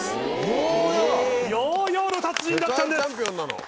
ヨーヨーの達人だったんです！